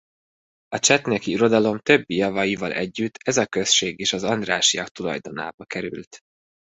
A csetneki uradalom többi javaival együtt ez a község is az Andrássyak tulajdonába került.